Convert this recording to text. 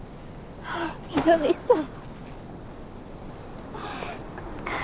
翠さん。